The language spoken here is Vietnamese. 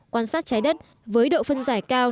quan sát trái đất với độ phân giải cao